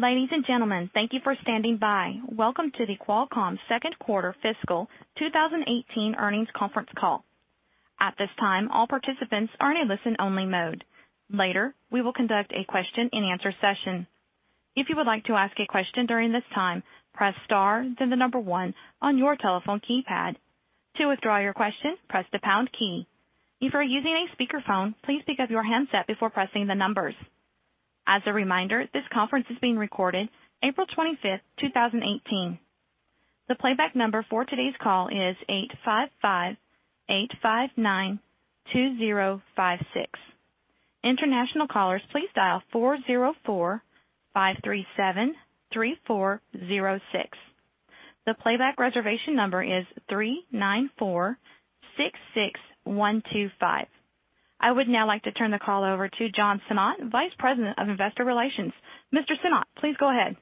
Ladies and gentlemen, thank you for standing by. Welcome to the Qualcomm second quarter fiscal 2018 earnings conference call. At this time, all participants are in a listen-only mode. Later, we will conduct a question and answer session. If you would like to ask a question during this time, press star, then the number one on your telephone keypad. To withdraw your question, press the pound key. If you are using a speakerphone, please pick up your handset before pressing the numbers. As a reminder, this conference is being recorded April 25th, 2018. The playback number for today's call is 855-859-2056. International callers please dial 404-537-3406. The playback reservation number is 39466125. I would now like to turn the call over to John Sinnott, Vice President of Investor Relations. Mr. Sinnott, please go ahead.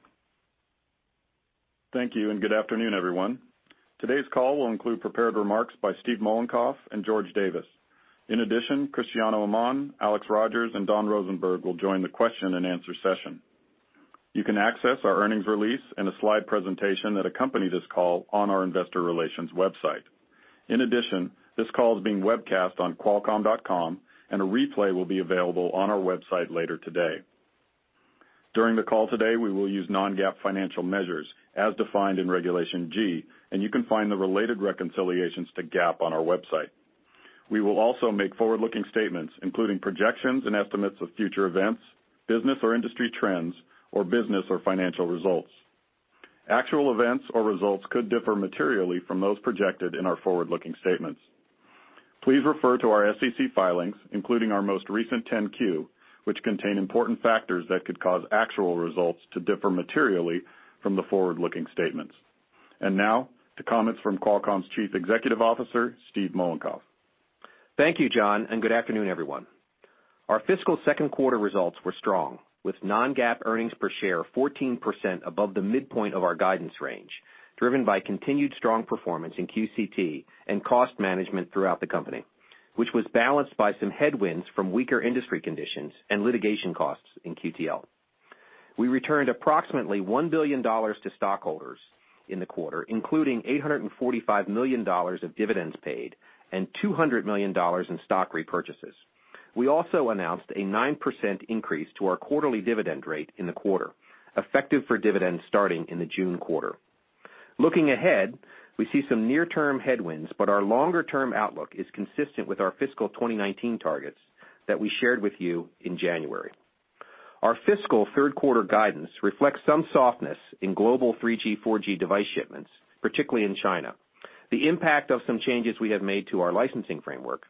Thank you. Good afternoon, everyone. Today's call will include prepared remarks by Steve Mollenkopf and George Davis. In addition, Cristiano Amon, Alex Rogers, and Don Rosenberg will join the question and answer session. You can access our earnings release and a slide presentation that accompany this call on our investor relations website. In addition, this call is being webcast on qualcomm.com, and a replay will be available on our website later today. During the call today, we will use non-GAAP financial measures as defined in Regulation G, and you can find the related reconciliations to GAAP on our website. We will also make forward-looking statements, including projections and estimates of future events, business or industry trends, or business or financial results. Actual events or results could differ materially from those projected in our forward-looking statements. Please refer to our SEC filings, including our most recent 10-Q, which contain important factors that could cause actual results to differ materially from the forward-looking statements. Now to comments from Qualcomm's Chief Executive Officer, Steve Mollenkopf. Thank you, John. Good afternoon, everyone. Our fiscal second quarter results were strong, with non-GAAP earnings per share 14% above the midpoint of our guidance range, driven by continued strong performance in QCT and cost management throughout the company, which was balanced by some headwinds from weaker industry conditions and litigation costs in QTL. We returned approximately $1 billion to stockholders in the quarter, including $845 million of dividends paid and $200 million in stock repurchases. We also announced a 9% increase to our quarterly dividend rate in the quarter, effective for dividends starting in the June quarter. Looking ahead, we see some near-term headwinds, but our longer-term outlook is consistent with our fiscal 2019 targets that we shared with you in January. Our fiscal third quarter guidance reflects some softness in global 3G, 4G device shipments, particularly in China, the impact of some changes we have made to our licensing framework,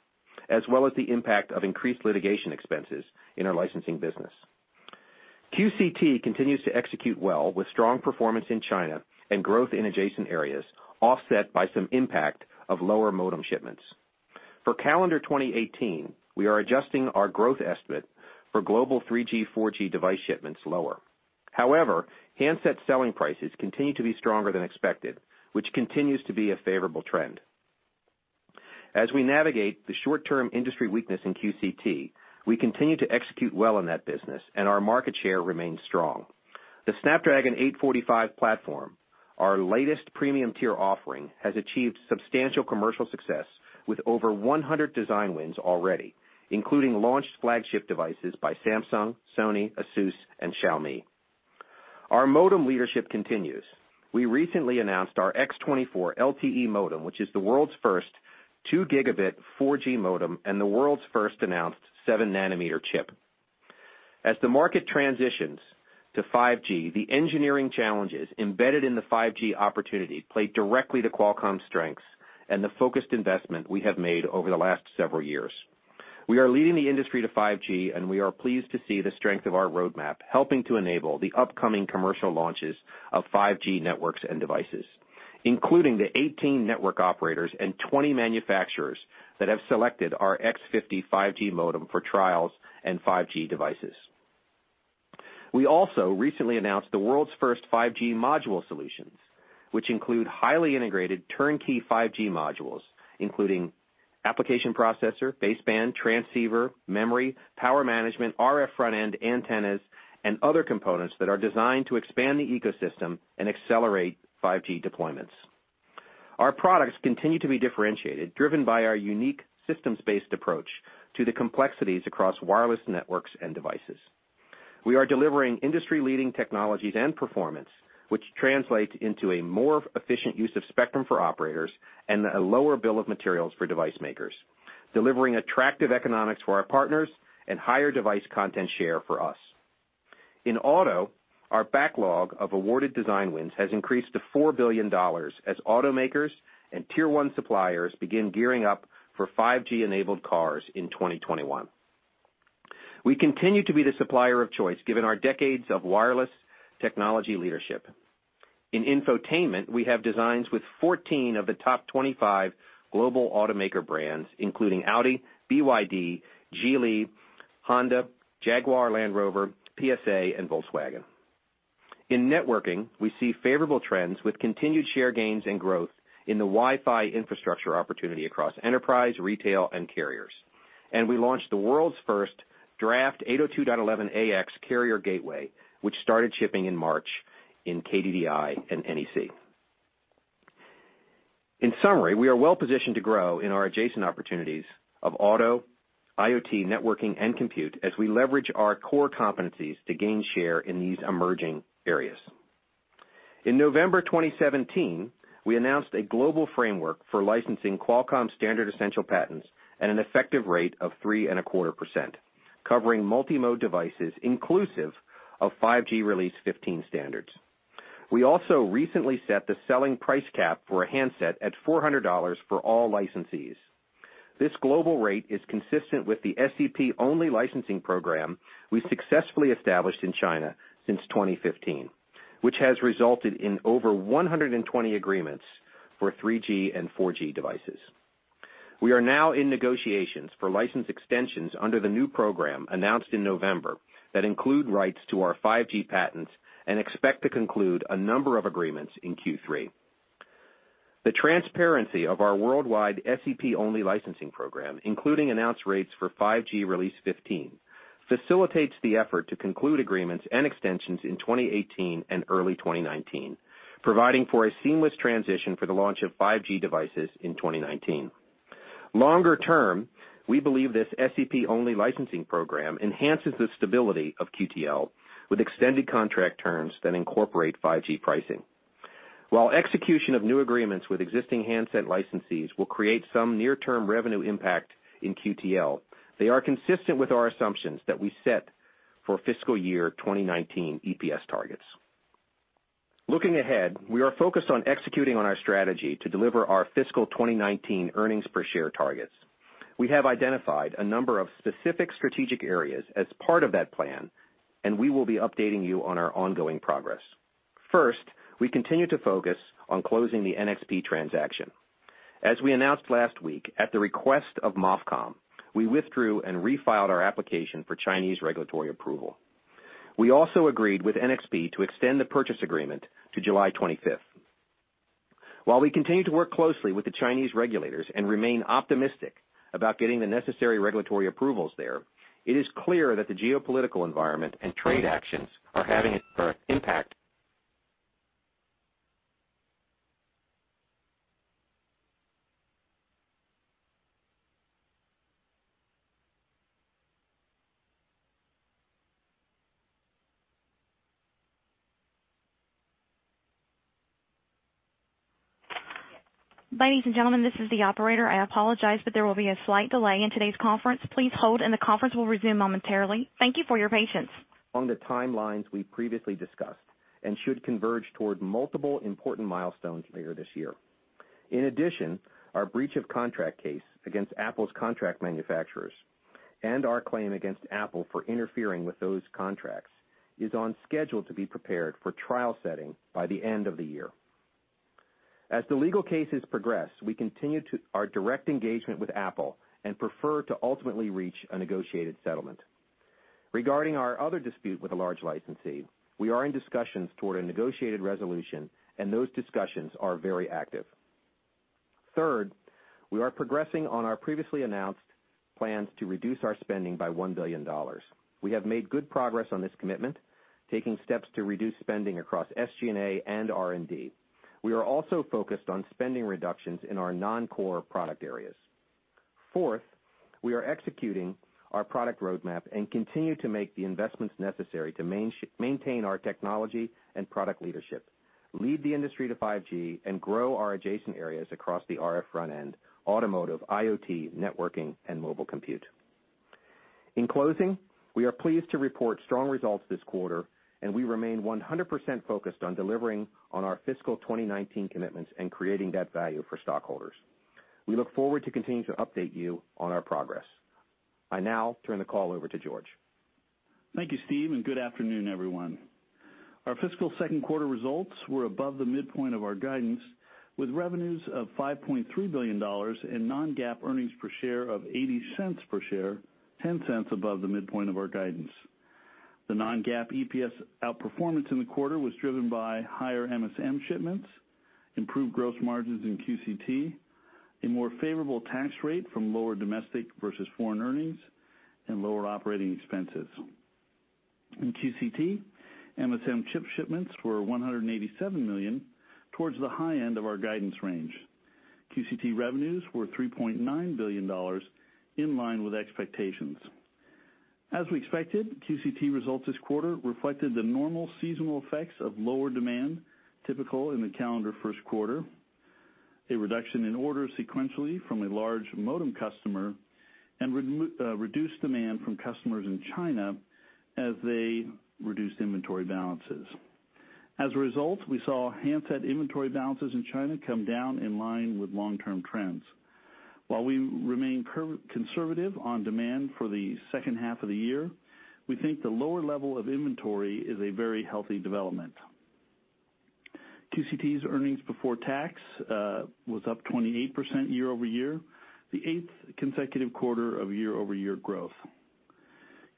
as well as the impact of increased litigation expenses in our licensing business. Qualcomm CDMA Technologies continues to execute well with strong performance in China and growth in adjacent areas, offset by some impact of lower modem shipments. For calendar 2018, we are adjusting our growth estimate for global 3G, 4G device shipments lower. However, handset selling prices continue to be stronger than expected, which continues to be a favorable trend. As we navigate the short-term industry weakness in Qualcomm CDMA Technologies, we continue to execute well in that business and our market share remains strong. The Snapdragon 845 platform, our latest premium-tier offering, has achieved substantial commercial success with over 100 design wins already, including launched flagship devices by Samsung, Sony, Asus, and Xiaomi. Our modem leadership continues. We recently announced our Snapdragon X24 LTE modem, which is the world's first two gigabit 4G modem and the world's first announced 7-nanometer chip. As the market transitions to 5G, the engineering challenges embedded in the 5G opportunity play directly to Qualcomm's strengths and the focused investment we have made over the last several years. We are leading the industry to 5G, and we are pleased to see the strength of our roadmap helping to enable the upcoming commercial launches of 5G networks and devices, including the 18 network operators and 20 manufacturers that have selected our Snapdragon X50 5G modem for trials and 5G devices. We also recently announced the world's first 5G module solutions, which include highly integrated turnkey 5G modules, including application processor, baseband, transceiver, memory, power management, RF front-end antennas, and other components that are designed to expand the ecosystem and accelerate 5G deployments. Our products continue to be differentiated, driven by our unique systems-based approach to the complexities across wireless networks and devices. We are delivering industry-leading technologies and performance, which translate into a more efficient use of spectrum for operators and a lower bill of materials for device makers, delivering attractive economics for our partners and higher device content share for us. In auto, our backlog of awarded design wins has increased to $4 billion as automakers and tier 1 suppliers begin gearing up for 5G-enabled cars in 2021. We continue to be the supplier of choice given our decades of wireless technology leadership. In infotainment, we have designs with 14 of the top 25 global automaker brands, including Audi, BYD, Geely, Honda, Jaguar Land Rover, PSA, and Volkswagen. In networking, we see favorable trends with continued share gains and growth in the Wi-Fi infrastructure opportunity across enterprise, retail, and carriers. We launched the world's first Draft 802.11ax carrier gateway, which started shipping in March in KDDI and NEC. In summary, we are well-positioned to grow in our adjacent opportunities of auto, IoT, networking, and compute as we leverage our core competencies to gain share in these emerging areas. In November 2017, we announced a global framework for licensing Qualcomm Standard-Essential Patents at an effective rate of 3.25%, covering multi-mode devices inclusive of 5G Release 15 standards. We also recently set the selling price cap for a handset at $400 for all licensees. This global rate is consistent with the SEP-only licensing program we successfully established in China since 2015, which has resulted in over 120 agreements for 3G and 4G devices. We are now in negotiations for license extensions under the new program announced in November that include rights to our 5G patents and expect to conclude a number of agreements in Q3. The transparency of our worldwide SEP-only licensing program, including announced rates for 5G Release 15, facilitates the effort to conclude agreements and extensions in 2018 and early 2019, providing for a seamless transition for the launch of 5G devices in 2019. Longer term, we believe this SEP-only licensing program enhances the stability of QTL with extended contract terms that incorporate 5G pricing. While execution of new agreements with existing handset licensees will create some near-term revenue impact in QTL, they are consistent with our assumptions that we set for fiscal year 2019 EPS targets. Looking ahead, we are focused on executing on our strategy to deliver our fiscal 2019 earnings per share targets. We have identified a number of specific strategic areas as part of that plan. We will be updating you on our ongoing progress. First, we continue to focus on closing the NXP transaction. As we announced last week, at the request of MOFCOM, we withdrew and refiled our application for Chinese regulatory approval. We also agreed with NXP to extend the purchase agreement to July 25th. While we continue to work closely with the Chinese regulators and remain optimistic about getting the necessary regulatory approvals there, it is clear that the geopolitical environment and trade actions are having a further impact. Ladies and gentlemen, this is the operator. I apologize, but there will be a slight delay in today's conference. Please hold, and the conference will resume momentarily. Thank you for your patience. On the timelines we previously discussed and should converge toward multiple important milestones later this year. In addition, our breach of contract case against Apple's contract manufacturers and our claim against Apple for interfering with those contracts is on schedule to be prepared for trial setting by the end of the year. As the legal cases progress, we continue our direct engagement with Apple and prefer to ultimately reach a negotiated settlement. Regarding our other dispute with a large licensee, we are in discussions toward a negotiated resolution, and those discussions are very active. Third, we are progressing on our previously announced plans to reduce our spending by $1 billion. We have made good progress on this commitment, taking steps to reduce spending across SG&A and R&D. We are also focused on spending reductions in our non-core product areas. Fourth, we are executing our product roadmap and continue to make the investments necessary to maintain our technology and product leadership, lead the industry to 5G, and grow our adjacent areas across the RF front-end, automotive, IoT, networking, and mobile compute. In closing, we are pleased to report strong results this quarter, and we remain 100% focused on delivering on our fiscal 2019 commitments and creating that value for stockholders. We look forward to continuing to update you on our progress. I now turn the call over to George. Thank you, Steve, and good afternoon, everyone. Our fiscal second quarter results were above the midpoint of our guidance, with revenues of $5.3 billion and non-GAAP earnings per share of $0.80 per share, $0.10 above the midpoint of our guidance. The non-GAAP EPS outperformance in the quarter was driven by higher MSM shipments, improved gross margins in QCT, a more favorable tax rate from lower domestic versus foreign earnings, and lower operating expenses. In QCT, MSM chip shipments were 187 million towards the high end of our guidance range. QCT revenues were $3.9 billion, in line with expectations. As we expected, QCT results this quarter reflected the normal seasonal effects of lower demand typical in the calendar first quarter, a reduction in orders sequentially from a large modem customer and reduced demand from customers in China as they reduced inventory balances. As a result, we saw handset inventory balances in China come down in line with long-term trends. While we remain conservative on demand for the second half of the year, we think the lower level of inventory is a very healthy development. QCT's earnings before tax was up 28% year-over-year, the eighth consecutive quarter of year-over-year growth.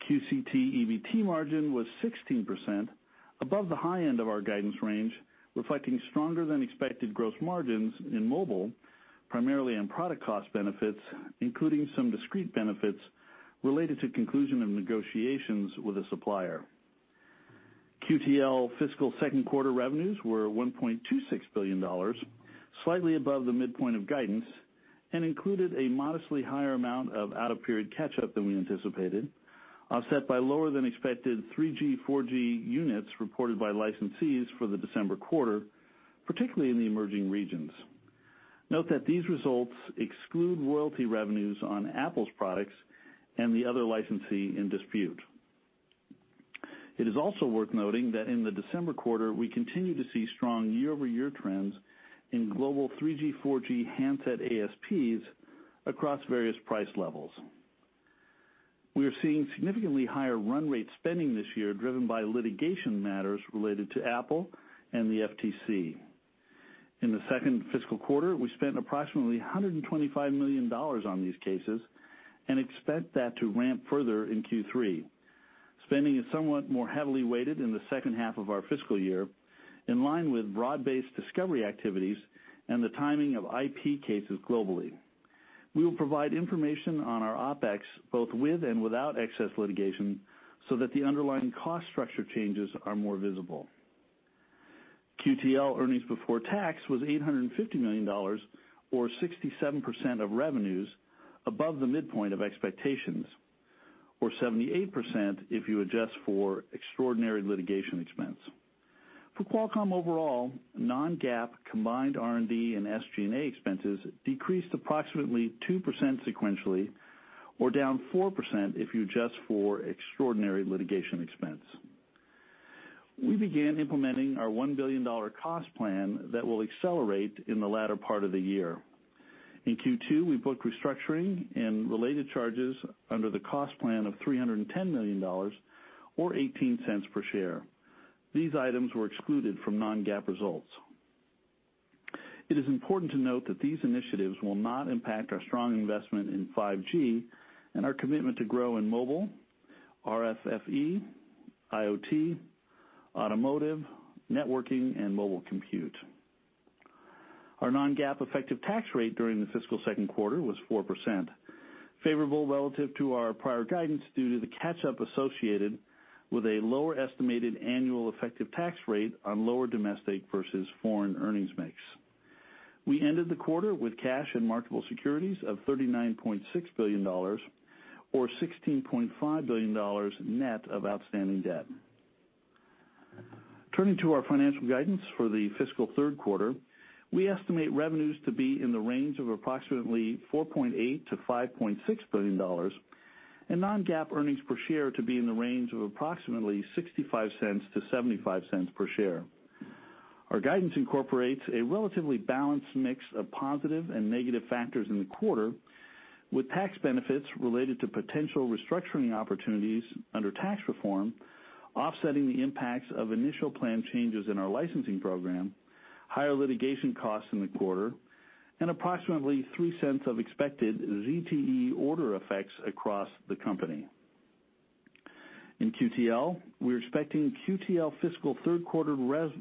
QCT EBT margin was 16%, above the high end of our guidance range, reflecting stronger than expected gross margins in mobile, primarily on product cost benefits, including some discrete benefits related to conclusion of negotiations with a supplier. QTL fiscal second quarter revenues were $1.26 billion, slightly above the midpoint of guidance, and included a modestly higher amount of out-of-period catch-up than we anticipated, offset by lower than expected 3G, 4G units reported by licensees for the December quarter, particularly in the emerging regions. Note that these results exclude royalty revenues on Apple's products and the other licensee in dispute. It is also worth noting that in the December quarter, we continue to see strong year-over-year trends in global 3G, 4G handset ASPs across various price levels. We are seeing significantly higher run rate spending this year driven by litigation matters related to Apple and the FTC. In the second fiscal quarter, we spent approximately $125 million on these cases and expect that to ramp further in Q3. Spending is somewhat more heavily weighted in the second half of our fiscal year, in line with broad-based discovery activities and the timing of IP cases globally. We will provide information on our opex, both with and without excess litigation, so that the underlying cost structure changes are more visible. QTL earnings before tax was $850 million, or 67% of revenues above the midpoint of expectations, or 78% if you adjust for extraordinary litigation expense. For Qualcomm overall, non-GAAP, combined R&D and SG&A expenses decreased approximately 2% sequentially, or down 4% if you adjust for extraordinary litigation expense. We began implementing our $1 billion cost plan that will accelerate in the latter part of the year. In Q2, we booked restructuring and related charges under the cost plan of $310 million, or $0.18 per share. These items were excluded from non-GAAP results. It is important to note that these initiatives will not impact our strong investment in 5G and our commitment to grow in mobile, RFFE, IoT, automotive, networking, and mobile compute. Our non-GAAP effective tax rate during the fiscal second quarter was 4%, favorable relative to our prior guidance due to the catch-up associated with a lower estimated annual effective tax rate on lower domestic versus foreign earnings mix. We ended the quarter with cash and marketable securities of $39.6 billion, or $16.5 billion net of outstanding debt. Turning to our financial guidance for the fiscal third quarter, we estimate revenues to be in the range of approximately $4.8 billion-$5.6 billion and non-GAAP earnings per share to be in the range of approximately $0.65-$0.75 per share. Our guidance incorporates a relatively balanced mix of positive and negative factors in the quarter, with tax benefits related to potential restructuring opportunities under tax reform, offsetting the impacts of initial plan changes in our licensing program, higher litigation costs in the quarter, and approximately $0.03 of expected ZTE order effects across the company. In QTL, we're expecting QTL fiscal third quarter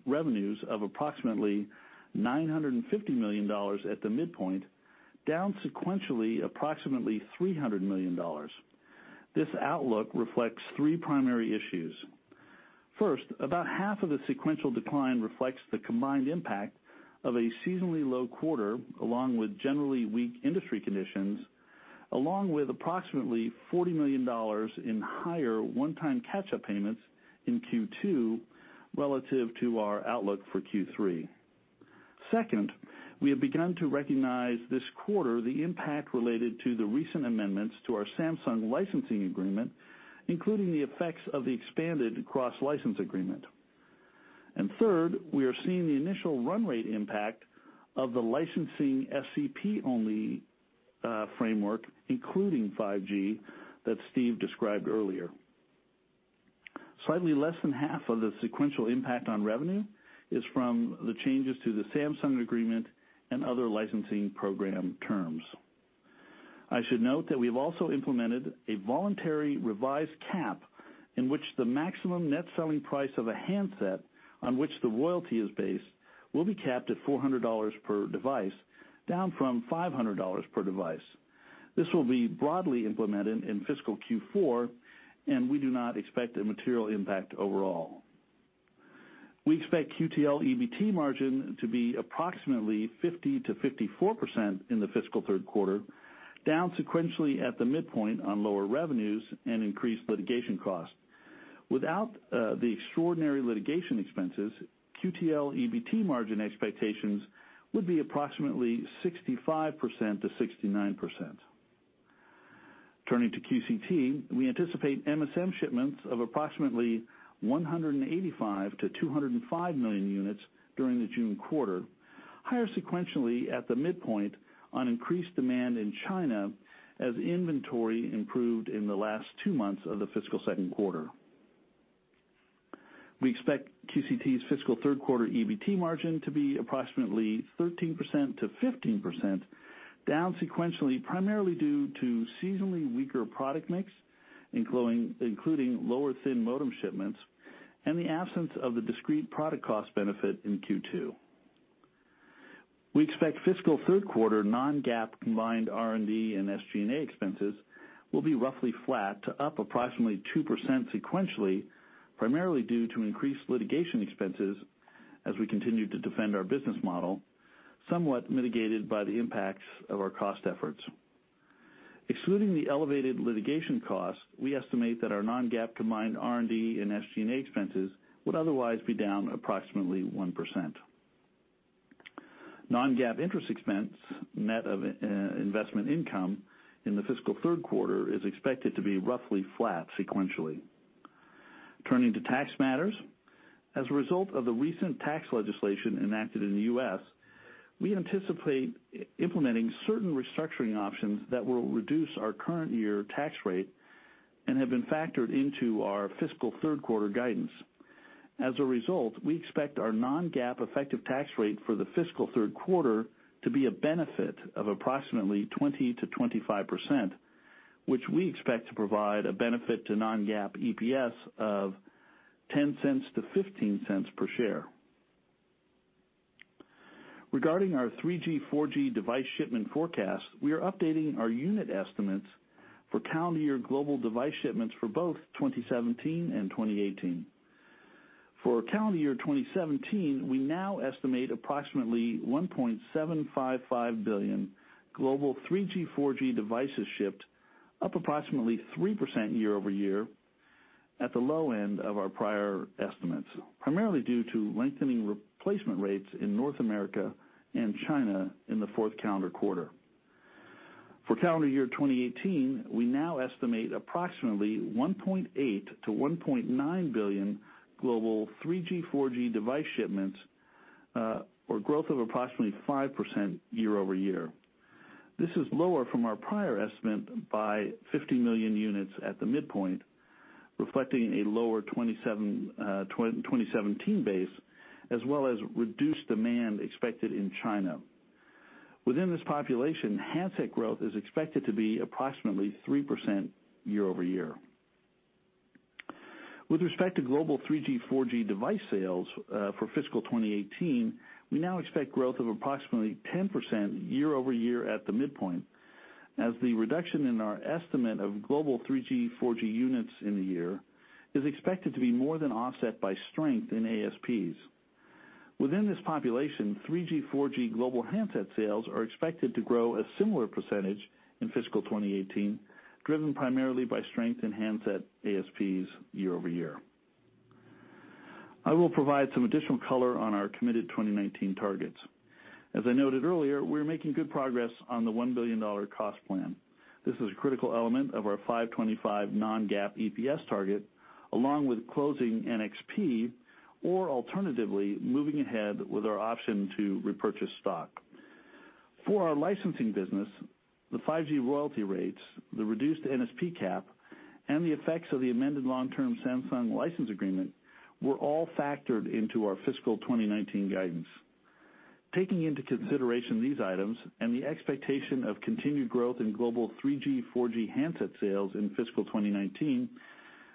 revenues of approximately $950 million at the midpoint, down sequentially approximately $300 million. This outlook reflects three primary issues. First, about half of the sequential decline reflects the combined impact of a seasonally low quarter, along with generally weak industry conditions, along with approximately $40 million in higher one-time catch-up payments in Q2 relative to our outlook for Q3. Second, we have begun to recognize this quarter the impact related to the recent amendments to our Samsung licensing agreement, including the effects of the expanded cross-license agreement. Third, we are seeing the initial run rate impact of the licensing SEP-only framework, including 5G, that Steve described earlier. Slightly less than half of the sequential impact on revenue is from the changes to the Samsung agreement and other licensing program terms. I should note that we've also implemented a voluntary revised cap in which the maximum net selling price of a handset on which the royalty is based will be capped at $400 per device, down from $500 per device. This will be broadly implemented in fiscal Q4, and we do not expect a material impact overall. We expect QTL EBT margin to be approximately 50%-54% in the fiscal third quarter, down sequentially at the midpoint on lower revenues and increased litigation costs. Without the extraordinary litigation expenses, QTL EBT margin expectations would be approximately 65%-69%. Turning to QCT, we anticipate MSM shipments of approximately 185 million-205 million units during the June quarter. Higher sequentially at the midpoint on increased demand in China as inventory improved in the last two months of the fiscal second quarter. We expect QCT's fiscal third quarter EBT margin to be approximately 13%-15%, down sequentially, primarily due to seasonally weaker product mix, including lower thin modem shipments and the absence of the discrete product cost benefit in Q2. We expect fiscal third quarter non-GAAP combined R&D and SG&A expenses will be roughly flat to up approximately 2% sequentially, primarily due to increased litigation expenses as we continue to defend our business model, somewhat mitigated by the impacts of our cost efforts. Excluding the elevated litigation costs, we estimate that our non-GAAP combined R&D and SG&A expenses would otherwise be down approximately 1%. Non-GAAP interest expense, net of investment income in the fiscal third quarter is expected to be roughly flat sequentially. Turning to tax matters. As a result of the recent tax legislation enacted in the U.S., we anticipate implementing certain restructuring options that will reduce our current year tax rate and have been factored into our fiscal third quarter guidance. As a result, we expect our non-GAAP effective tax rate for the fiscal third quarter to be a benefit of approximately 20%-25%, which we expect to provide a benefit to non-GAAP EPS of $0.10-$0.15 per share. Regarding our 3G, 4G device shipment forecast, we are updating our unit estimates for calendar year global device shipments for both 2017 and 2018. For calendar year 2017, we now estimate approximately 1.755 billion global 3G, 4G devices shipped, up approximately 3% year-over-year at the low end of our prior estimates, primarily due to lengthening replacement rates in North America and China in the fourth calendar quarter. For calendar year 2018, we now estimate approximately 1.8 billion-1.9 billion global 3G, 4G device shipments, or growth of approximately 5% year-over-year. This is lower from our prior estimate by 50 million units at the midpoint, reflecting a lower 2017 base as well as reduced demand expected in China. Within this population, handset growth is expected to be approximately 3% year-over-year. With respect to global 3G, 4G device sales for fiscal 2018, we now expect growth of approximately 10% year-over-year at the midpoint as the reduction in our estimate of global 3G, 4G units in the year is expected to be more than offset by strength in ASPs. Within this population, 3G, 4G global handset sales are expected to grow a similar percentage in fiscal 2018, driven primarily by strength in handset ASPs year-over-year. I will provide some additional color on our committed 2019 targets. As I noted earlier, we are making good progress on the $1 billion cost plan. This is a critical element of our $5.25 non-GAAP EPS target along with closing NXP or alternatively, moving ahead with our option to repurchase stock. For our licensing business, the 5G royalty rates, the reduced NSP cap, and the effects of the amended long-term Samsung license agreement were all factored into our fiscal 2019 guidance. Taking into consideration these items and the expectation of continued growth in global 3G, 4G handset sales in fiscal 2019,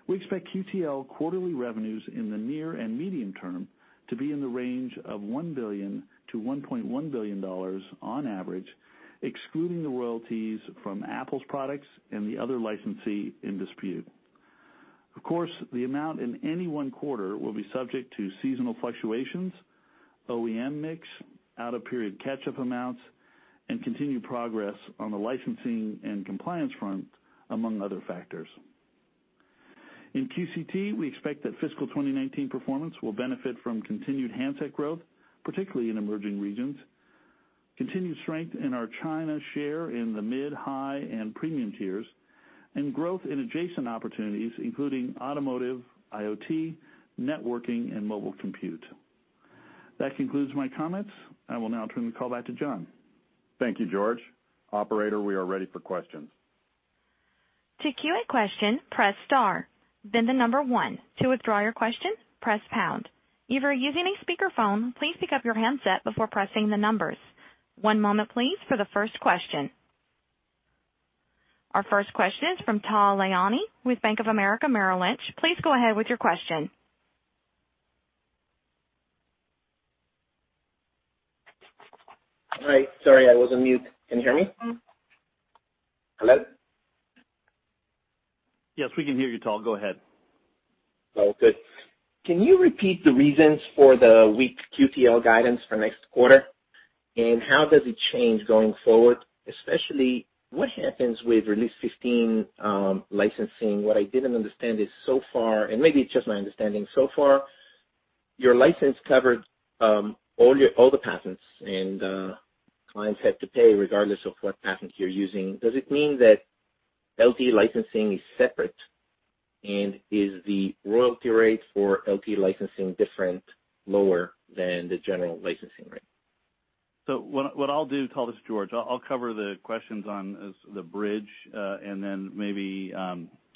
we expect QTL quarterly revenues in the near and medium term to be in the range of $1 billion to $1.1 billion on average, excluding the royalties from Apple's products and the other licensee in dispute. Of course, the amount in any one quarter will be subject to seasonal fluctuations, OEM mix, out-of-period catch-up amounts, and continued progress on the licensing and compliance front, among other factors. In QCT, we expect that fiscal 2019 performance will benefit from continued handset growth, particularly in emerging regions, continued strength in our China share in the mid, high, and premium tiers, and growth in adjacent opportunities, including automotive, IoT, networking, and mobile compute. That concludes my comments. I will now turn the call back to John. Thank you, George. Operator, we are ready for questions. To queue a question, press star, then the number one. To withdraw your question, press pound. If you are using a speakerphone, please pick up your handset before pressing the numbers. One moment, please, for the first question. Our first question is from Tal Liani with Bank of America Merrill Lynch. Please go ahead with your question. Hi. Sorry, I was on mute. Can you hear me? Hello? Yes, we can hear you, Tal. Go ahead. Good. Can you repeat the reasons for the weak QTL guidance for next quarter? How does it change going forward? Especially, what happens with Release 15 licensing? What I didn't understand is so far, maybe it's just my understanding, so far, your license covered all the patents and clients had to pay regardless of what patent you're using. Does it mean that LTE licensing is separate? Is the royalty rate for LTE licensing different, lower than the general licensing rate? What I'll do, call this George. I'll cover the questions on the bridge, maybe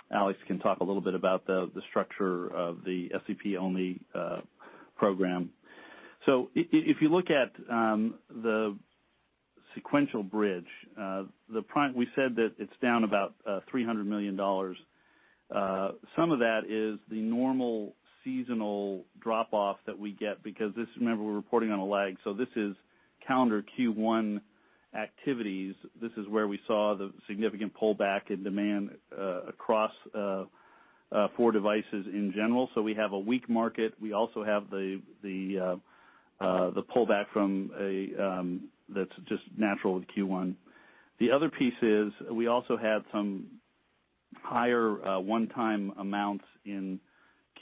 Alex can talk a little bit about the structure of the SEP-only program. If you look at the sequential bridge, we said that it's down about $300 million. Some of that is the normal seasonal drop-off that we get because this, remember, we're reporting on a lag. This is calendar Q1 activities. This is where we saw the significant pullback in demand across four devices in general. We have a weak market. We also have the pullback from that's just natural with Q1. The other piece is we also had some higher one-time amounts in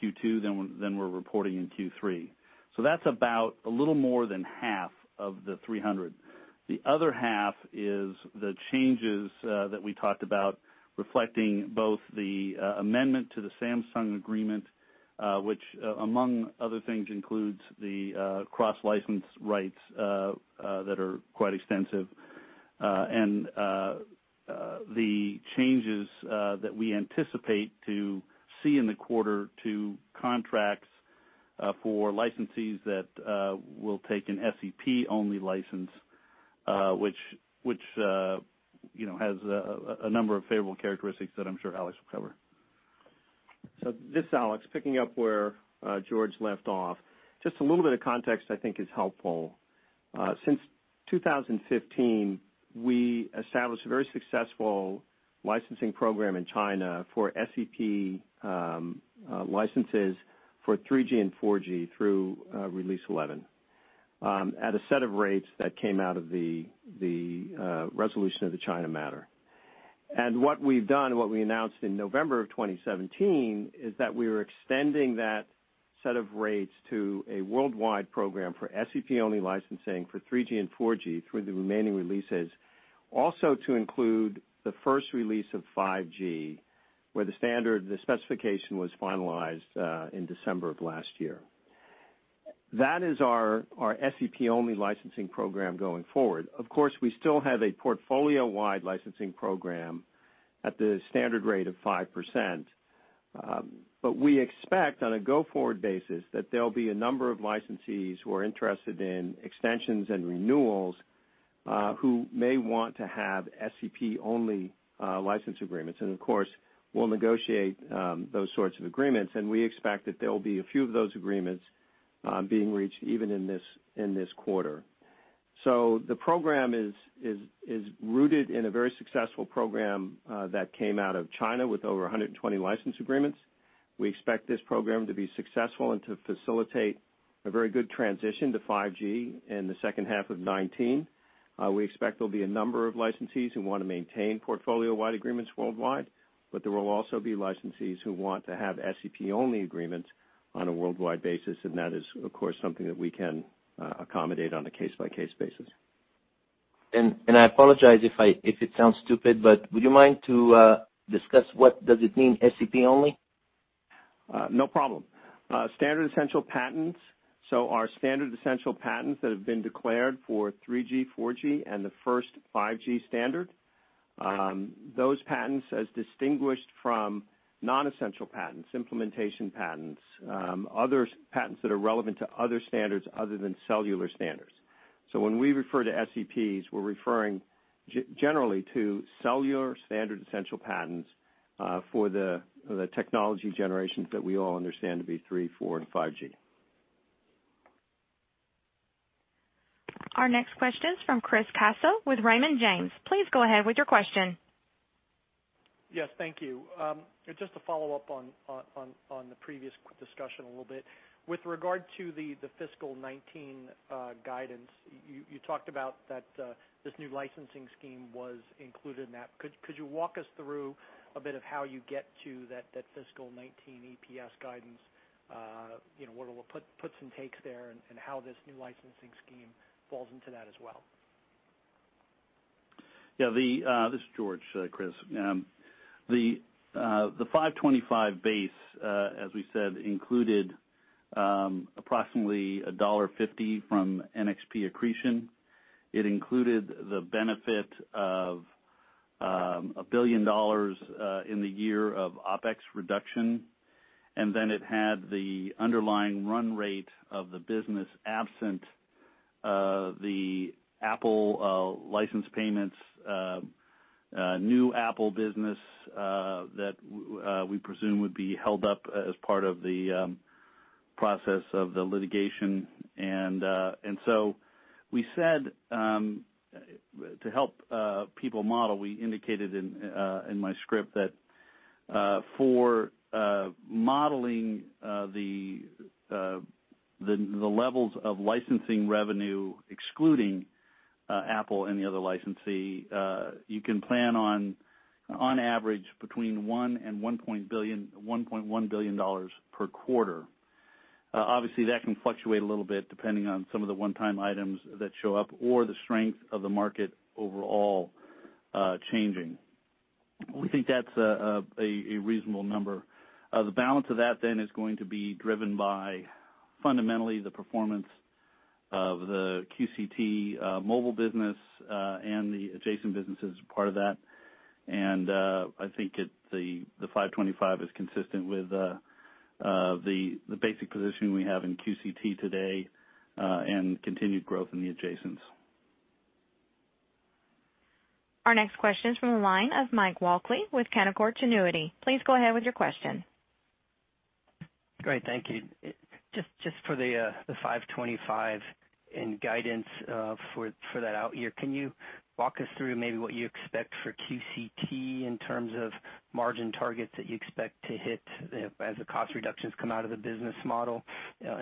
Q2 than we're reporting in Q3. That's about a little more than half of the $300. The other half is the changes that we talked about reflecting both the amendment to the Samsung agreement, which among other things, includes the cross license rights that are quite extensive. The changes that we anticipate to see in the quarter to contracts for licensees that will take an SEP-only license, which has a number of favorable characteristics that I'm sure Alex will cover. This Alex, picking up where George left off. Just a little bit of context I think is helpful. Since 2015, we established a very successful licensing program in China for SEP licenses for 3G and 4G through Release 11 at a set of rates that came out of the resolution of the China matter. What we've done, what we announced in November of 2017, is that we were extending that set of rates to a worldwide program for SEP-only licensing for 3G and 4G through the remaining releases. Also to include the first release of 5G, where the specification was finalized in December of last year. That is our SEP-only licensing program going forward. Of course, we still have a portfolio-wide licensing program at the standard rate of 5%. We expect on a go-forward basis that there'll be a number of licensees who are interested in extensions and renewals, who may want to have SEP-only license agreements. Of course, we'll negotiate those sorts of agreements, and we expect that there will be a few of those agreements being reached even in this quarter. The program is rooted in a very successful program that came out of China with over 120 license agreements. We expect this program to be successful and to facilitate a very good transition to 5G in the second half of 2019. We expect there'll be a number of licensees who want to maintain portfolio-wide agreements worldwide, but there will also be licensees who want to have SEP-only agreements on a worldwide basis, and that is, of course, something that we can accommodate on a case-by-case basis. I apologize if it sounds stupid, but would you mind to discuss what does it mean, SEP-only? No problem. Standard-Essential Patents. Our Standard-Essential Patents that have been declared for 3G, 4G, and the first 5G standard. Those patents, as distinguished from non-essential patents, implementation patents, other patents that are relevant to other standards other than cellular standards. When we refer to SEPs, we're referring generally to cellular Standard-Essential Patents for the technology generations that we all understand to be 3G, 4G, and 5G. Our next question is from Chris Caso with Raymond James. Please go ahead with your question. Yes, thank you. Just to follow up on the previous discussion a little bit. With regard to the fiscal 2019 guidance, you talked about that this new licensing scheme was included in that. Could you walk us through a bit of how you get to that fiscal 2019 EPS guidance? What are the puts and takes there, and how this new licensing scheme falls into that as well? This is George, Chris. The $5.25 base, as we said, included approximately $1.50 from NXP accretion. It included the benefit of $1 billion in the year of OPEX reduction, then it had the underlying run rate of the business absent the Apple license payments, new Apple business that we presume would be held up as part of the process of the litigation. We said to help people model, we indicated in my script that for modeling the levels of licensing revenue, excluding Apple and the other licensee, you can plan on average between $1 billion and $1.1 billion per quarter. Obviously, that can fluctuate a little bit depending on some of the one-time items that show up or the strength of the market overall changing. We think that's a reasonable number. The balance of that then is going to be driven by fundamentally the performance of the QCT mobile business and the adjacent businesses as part of that. I think the 525 is consistent with the basic position we have in QCT today and continued growth in the adjacents. Our next question is from the line of Mike Walkley with Canaccord Genuity. Please go ahead with your question. Great, thank you. Just for the 525 in guidance for that out year, can you walk us through maybe what you expect for QCT in terms of margin targets that you expect to hit as the cost reductions come out of the business model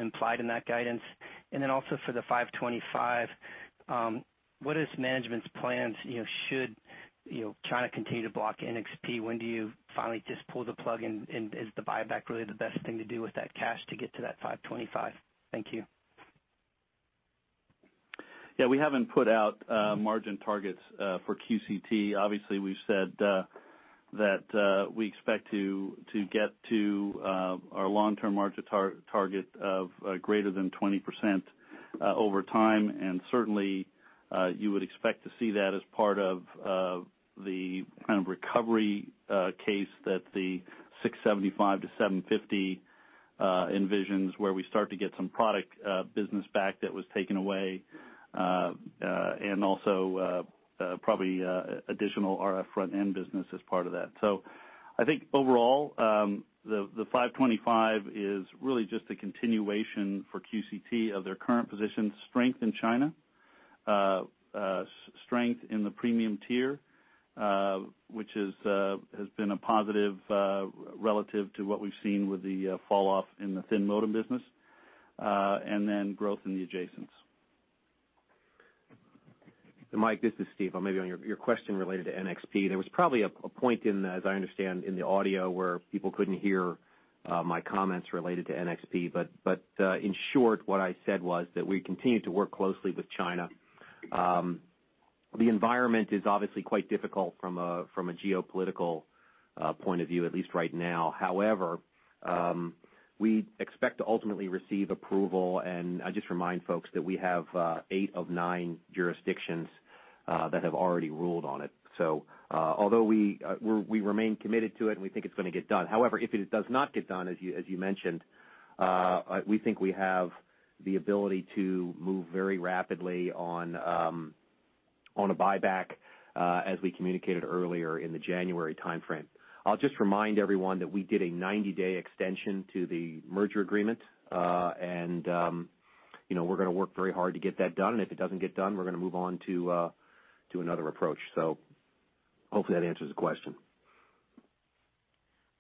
implied in that guidance? Then also for the 525, what is management's plans should China continue to block NXP? When do you finally just pull the plug, and is the buyback really the best thing to do with that cash to get to that 525? Thank you. Yeah, we haven't put out margin targets for QCT. Obviously, we've said that we expect to get to our long-term margin target of greater than 20% over time, certainly, you would expect to see that as part of the kind of recovery case that the 675-750 envisions where we start to get some product business back that was taken away, also probably additional RF front-end business as part of that. I think overall, the 525 is really just a continuation for QCT of their current position strength in China, strength in the premium tier which has been a positive relative to what we've seen with the falloff in the thin modem business, then growth in the adjacents. Mike Walkley, this is Steve Mollenkopf. Maybe on your question related to NXP, there was probably a point, as I understand, in the audio where people couldn't hear my comments related to NXP. In short, what I said was that we continue to work closely with China. The environment is obviously quite difficult from a geopolitical point of view, at least right now. However, we expect to ultimately receive approval, and I just remind folks that we have eight of nine jurisdictions that have already ruled on it. Although we remain committed to it and we think it's going to get done. However, if it does not get done, as you mentioned, we think we have the ability to move very rapidly on a buyback as we communicated earlier in the January timeframe. I'll just remind everyone that we did a 90-day extension to the merger agreement. We're going to work very hard to get that done, and if it doesn't get done, we're going to move on to another approach. Hopefully that answers the question.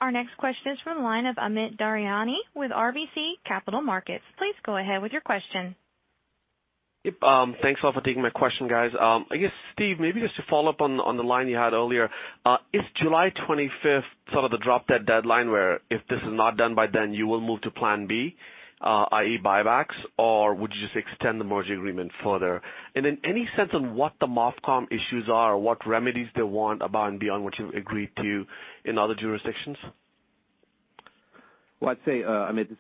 Our next question is from the line of Amit Daryanani with RBC Capital Markets. Please go ahead with your question. Yep. Thanks all for taking my question, guys. I guess, Steve Mollenkopf, maybe just to follow up on the line you had earlier, is July 25th sort of the drop-dead deadline where if this is not done by then, you will move to Plan B, i.e., buybacks? Or would you just extend the merger agreement further? Then any sense on what the MOFCOM issues are or what remedies they want above and beyond what you've agreed to in other jurisdictions? Well, I'd say, Amit,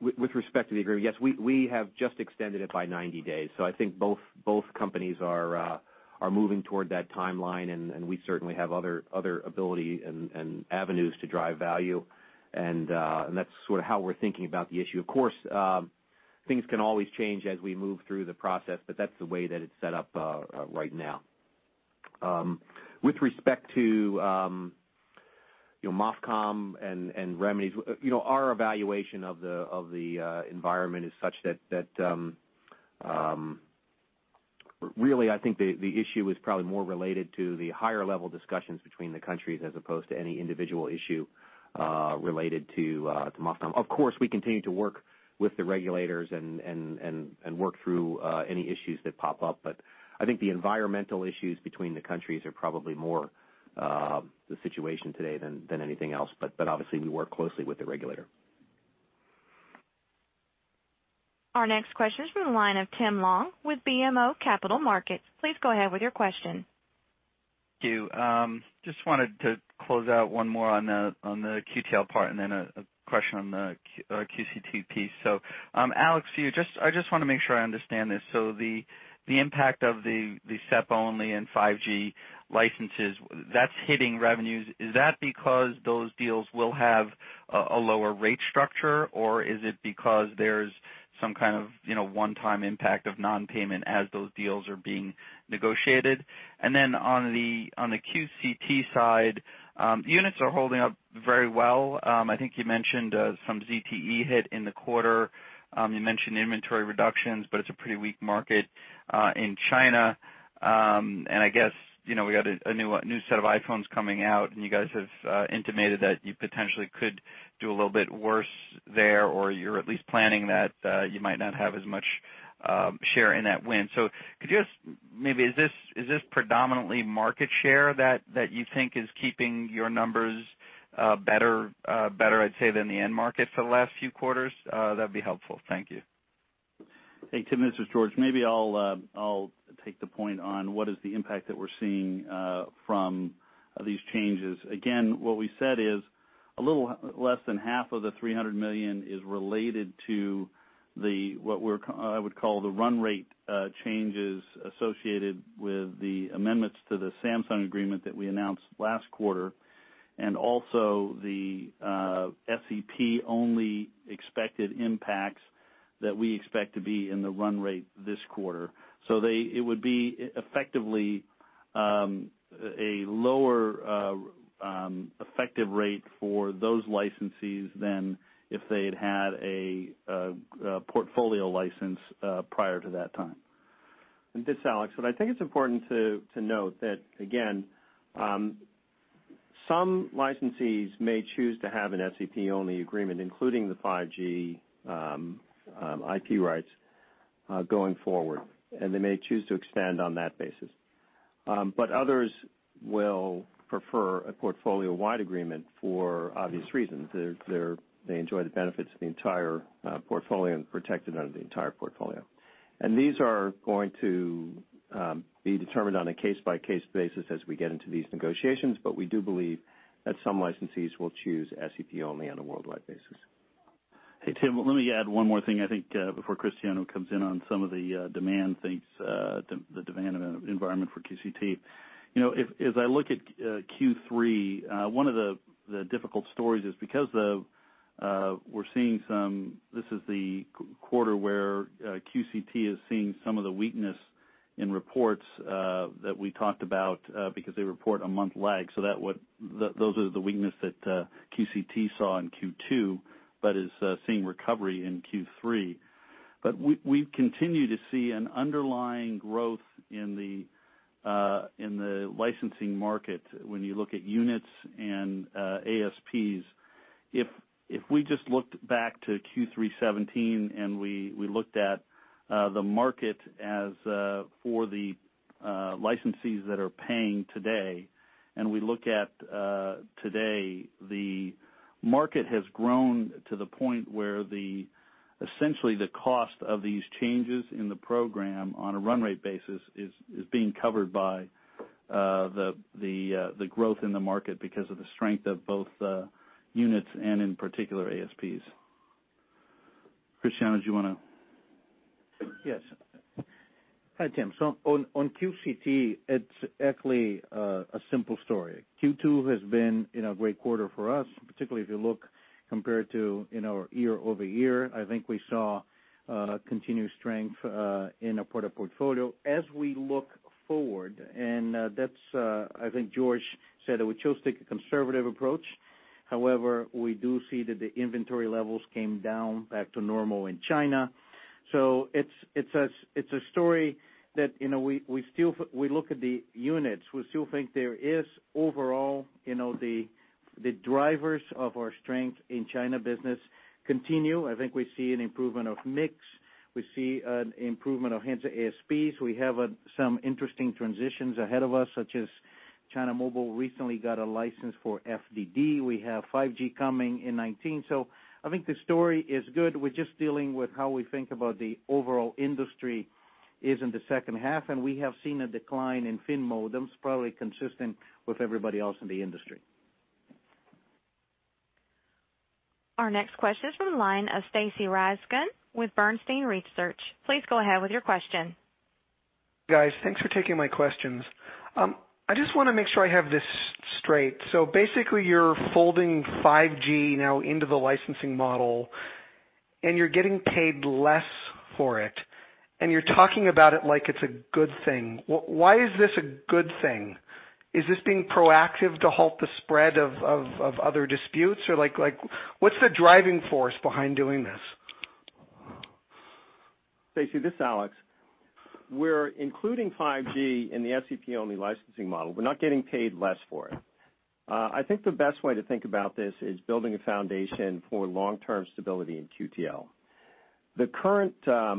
with respect to the agreement, yes, we have just extended it by 90 days. I think both companies are moving toward that timeline, and we certainly have other ability and avenues to drive value. That's sort of how we're thinking about the issue. Of course, things can always change as we move through the process, but that's the way that it's set up right now. With respect to MOFCOM and remedies, our evaluation of the environment is such that really, I think the issue is probably more related to the higher-level discussions between the countries as opposed to any individual issue related to MOFCOM. Of course, we continue to work with the regulators and work through any issues that pop up. I think the environmental issues between the countries are probably more the situation today than anything else. Obviously, we work closely with the regulator. Our next question is from the line of Tim Long with BMO Capital Markets. Please go ahead with your question. Thank you. Just wanted to close out one more on the QTL part and then a question on the QCT piece. Alex, for you, I just want to make sure I understand this. The impact of the SEP-only and 5G licenses, that's hitting revenues. Is that because those deals will have a lower rate structure, or is it because there's some kind of one-time impact of non-payment as those deals are being negotiated? Then on the QCT side, units are holding up very well. I think you mentioned some ZTE hit in the quarter. You mentioned inventory reductions, but it's a pretty weak market in China. I guess we got a new set of iPhones coming out, and you guys have intimated that you potentially could do a little bit worse there, or you're at least planning that you might not have as much share in that win. Could you maybe, is this predominantly market share that you think is keeping your numbers better, I'd say, than the end market for the last few quarters? That'd be helpful. Thank you. Hey, Tim, this is George. Maybe I'll take the point on what is the impact that we're seeing from these changes. What we said is a little less than half of the $300 million is related to what I would call the run rate changes associated with the amendments to the Samsung agreement that we announced last quarter, and also the SEP-only expected impacts that we expect to be in the run rate this quarter. It would be effectively a lower effective rate for those licensees than if they'd had a portfolio license prior to that time. This is Alex. What I think is important to note, that again, some licensees may choose to have an SEP-only agreement, including the 5G IP rights, going forward, and they may choose to extend on that basis. Others will prefer a portfolio-wide agreement for obvious reasons. They enjoy the benefits of the entire portfolio and protected under the entire portfolio. These are going to be determined on a case-by-case basis as we get into these negotiations, we do believe that some licensees will choose SEP-only on a worldwide basis. Hey, Tim, let me add one more thing, I think, before Cristiano comes in on some of the demand things, the demand environment for QCT. As I look at Q3, one of the difficult stories is because we're seeing, this is the quarter where QCT is seeing some of the weakness in reports that we talked about because they report a month lag. Those are the weakness that QCT saw in Q2, but is seeing recovery in Q3. We continue to see an underlying growth in the licensing market when you look at units and ASPs. If we just looked back to Q3 2017, and we looked at the market as for the licensees that are paying today, and we look at today, the market has grown to the point where essentially the cost of these changes in the program on a run rate basis is being covered by the growth in the market because of the strength of both units and in particular ASPs. Cristiano, do you want to? Yes. Hi, Tim. On QCT, it's actually a simple story. Q2 has been a great quarter for us, particularly if you look compared to our year-over-year. I think we saw continued strength in a part of portfolio. As we look forward, and that's I think George said that we chose to take a conservative approach. However, we do see that the inventory levels came down back to normal in China. It's a story that we look at the units. We still think there is overall, the drivers of our strength in China business continue. I think we see an improvement of mix. We see an improvement of hands of ASPs. We have some interesting transitions ahead of us, such as China Mobile recently got a license for FDD. We have 5G coming in 2019. I think the story is good. We're just dealing with how we think about the overall industry is in the second half, we have seen a decline in thin modems, probably consistent with everybody else in the industry. Our next question is from the line of Stacy Rasgon with Bernstein Research. Please go ahead with your question. Guys, thanks for taking my questions. I just want to make sure I have this straight. Basically, you're folding 5G now into the licensing model, and you're getting paid less for it, and you're talking about it like it's a good thing. Why is this a good thing? Is this being proactive to halt the spread of other disputes? What's the driving force behind doing this? Stacy, this Alex. We're including 5G in the SEP-only licensing model. We're not getting paid less for it. I think the best way to think about this is building a foundation for long-term stability in QTL. The current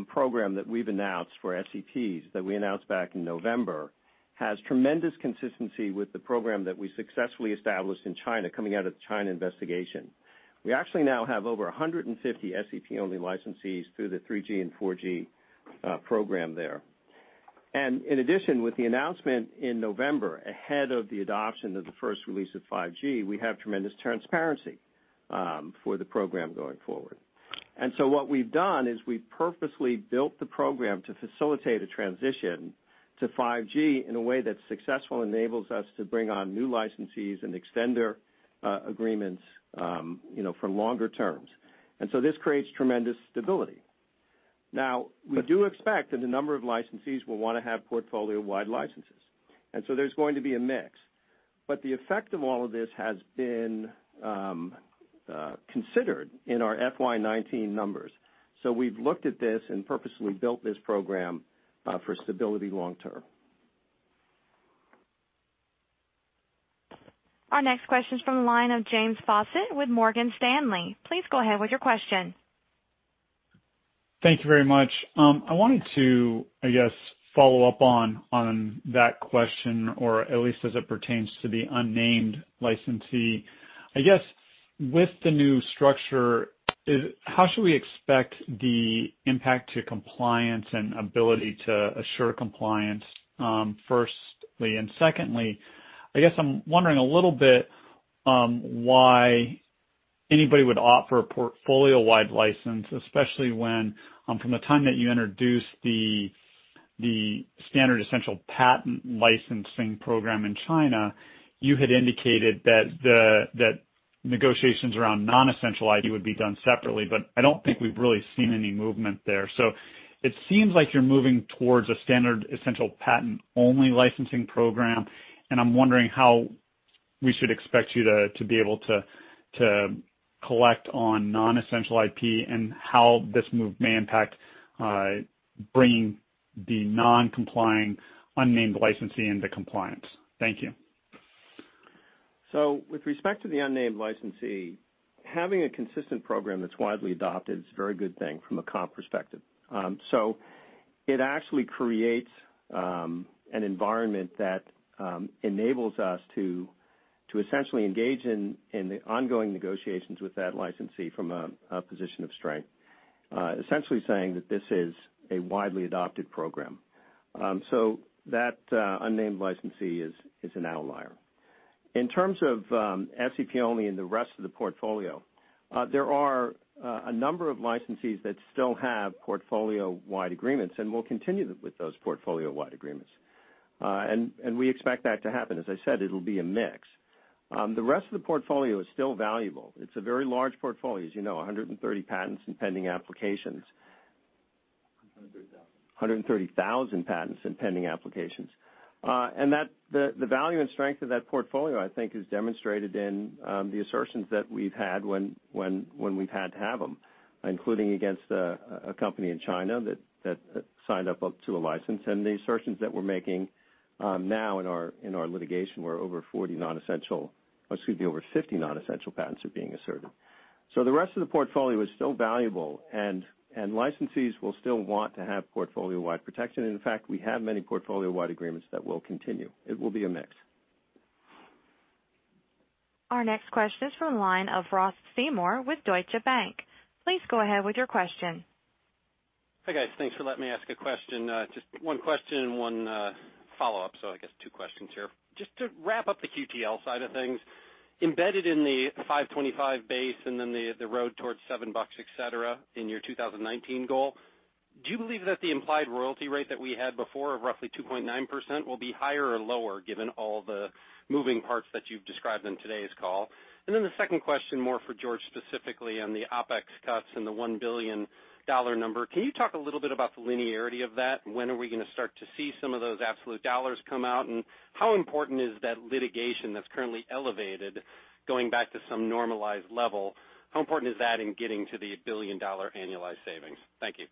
program that we've announced for SEPs, that we announced back in November, has tremendous consistency with the program that we successfully established in China coming out of the China investigation. We actually now have over 150 SEP-only licensees through the 3G and 4G program there. In addition, with the announcement in November, ahead of the adoption of the first release of 5G, we have tremendous transparency for the program going forward. What we've done is we've purposely built the program to facilitate a transition to 5G in a way that successfully enables us to bring on new licensees and extend their agreements for longer terms. This creates tremendous stability. Now, we do expect that a number of licensees will want to have portfolio-wide licenses. There's going to be a mix. The effect of all of this has been considered in our FY 2019 numbers. We've looked at this and purposely built this program for stability long term. Our next question is from the line of James Faucette with Morgan Stanley. Please go ahead with your question. Thank you very much. I wanted to follow up on that question, or at least as it pertains to the unnamed licensee. With the new structure, how should we expect the impact to compliance and ability to assure compliance, firstly? Secondly, I'm wondering a little bit why anybody would offer a portfolio-wide license, especially when, from the time that you introduced the standard-essential patent licensing program in China, you had indicated that negotiations around non-essential IP would be done separately. I don't think we've really seen any movement there. It seems like you're moving towards a standard-essential patent-only licensing program. I'm wondering how we should expect you to be able to collect on non-essential IP and how this move may impact bringing the non-complying unnamed licensee into compliance. Thank you. With respect to the unnamed licensee, having a consistent program that's widely adopted is a very good thing from a comp perspective. It actually creates an environment that enables us to essentially engage in the ongoing negotiations with that licensee from a position of strength, essentially saying that this is a widely adopted program. That unnamed licensee is an outlier. In terms of SEP-only in the rest of the portfolio, there are a number of licensees that still have portfolio-wide agreements and will continue with those portfolio-wide agreements. We expect that to happen. As I said, it'll be a mix. The rest of the portfolio is still valuable. It's a very large portfolio, as you know, 130 patents and pending applications. 130,000. 130,000 patents and pending applications. The value and strength of that portfolio, I think, is demonstrated in the assertions that we've had when we've had to have them, including against a company in China that signed up to a license and the assertions that we're making now in our litigation, where over 40 non-essential, excuse me, over 50 non-essential patents are being asserted. The rest of the portfolio is still valuable, and licensees will still want to have portfolio-wide protection. In fact, we have many portfolio-wide agreements that will continue. It will be a mix. Our next question is from the line of Ross Seymore with Deutsche Bank. Please go ahead with your question. Hi, guys. Thanks for letting me ask a question. Just one question and one follow-up, so I guess two questions here. Just to wrap up the QTL side of things, embedded in the $5.25 base then the road towards $7, et cetera, in your 2019 goal, do you believe that the implied royalty rate that we had before of roughly 2.9% will be higher or lower given all the moving parts that you've described in today's call? The second question, more for George specifically on the OPEX cuts and the $1 billion number. Can you talk a little bit about the linearity of that? When are we going to start to see some of those absolute dollars come out? How important is that litigation that's currently elevated going back to some normalized level? How important is that in getting to the billion-dollar annualized savings? Thank you.